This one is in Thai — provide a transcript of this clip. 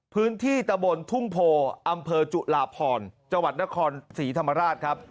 พื้นที่ตะบนทุ่งโพอำเภอจุลาพรจังหวัดนครศรีธรรมราชครับ